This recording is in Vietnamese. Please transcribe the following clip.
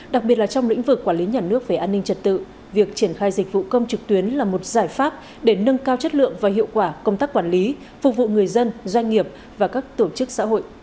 đặc biệt là trong lĩnh vực quản lý nhà nước về an ninh trật tự việc triển khai dịch vụ công trực tuyến là một giải pháp để nâng cao chất lượng và hiệu quả công tác quản lý phục vụ người dân doanh nghiệp và các tổ chức xã hội